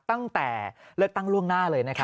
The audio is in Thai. ตั้งแต่เลือกตั้งล่วงหน้าเลยนะครับ